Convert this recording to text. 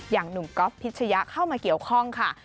อย่างหนุ่มก๊อฟพิชยะเข้ามาเกี่ยวข้องค่ะ